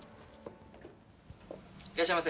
いらっしゃいませ。